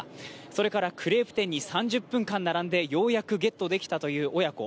それからクレープ店に３０分間並んでようやくゲットできたという親子。